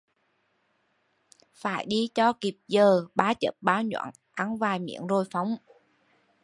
Phải đi cho kịp giờ, ba chớp ba nhoáng ăn vài miếng rồi phóng